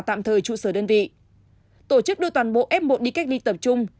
tạm thời trụ sở đơn vị tổ chức đưa toàn bộ f một đi cách ly tập trung